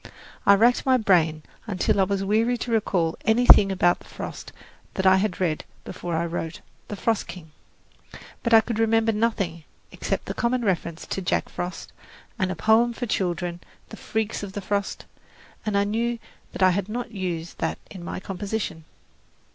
I racked my brain until I was weary to recall anything about the frost that I had read before I wrote "The Frost King"; but I could remember nothing, except the common reference to Jack Frost, and a poem for children, "The Freaks of the Frost," and I knew I had not used that in my composition.